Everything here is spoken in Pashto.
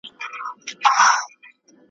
دلته خلک په پردي آذان ویښیږي `